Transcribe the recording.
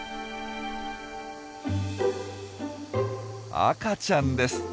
赤ちゃんです！